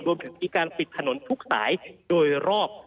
รวมถึงมีการปิดถนนทุกสายโดยรอบ